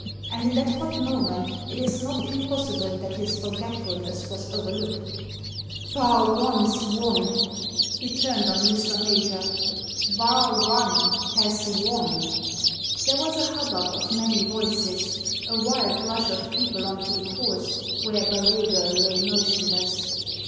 And in that hot moment it Digitized by VjOOQIC THE TIPSTER 149 is not impossible that his forgetfulness was over looked "Bar One's wonl" He turned on Mr. Major. "Bar One has won!" There was a hubbub of many voices, a wild rush of people on to the course, where Ballet Girl lay motion less.